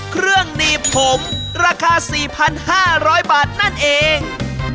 เครื่องหนีบผมราคา๔๕๐๐บาทนั่นเอง